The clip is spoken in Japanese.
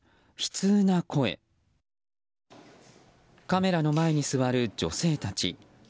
カメラの前に座る女性たち。